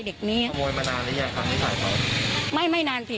แล้วเอาเงินไป